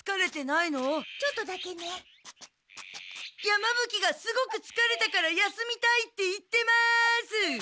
山ぶ鬼が「すごくつかれたから休みたい」って言ってます！